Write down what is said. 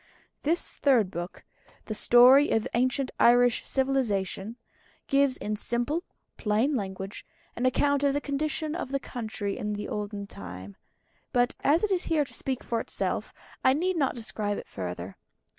This Third book "The Story of Ancient Irish Civilisation" gives in simple, plain language, an account of the condition of the country in the olden time; but as it is here to speak for itself, I need not describe it further.